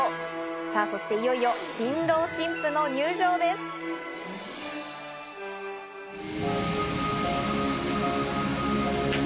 さぁ、そしていよいよ新郎新婦の入場です。